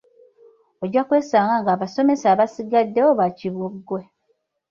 Ojja kwesanga ng'abasomesa abasigaddewo ba kiboggwe.